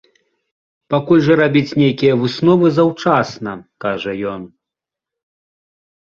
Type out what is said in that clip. Пакуль жа рабіць нейкія высновы заўчасна, кажа ён.